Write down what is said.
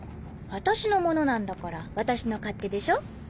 私のものなんだから私の勝手でしょ。